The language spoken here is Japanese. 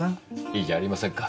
いいじゃありませんか。